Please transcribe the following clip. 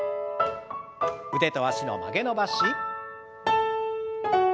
腕と脚の曲げ伸ばし。